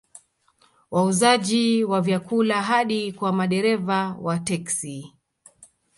Wauzaji wa vyakula hadi kwa madereva wa teksi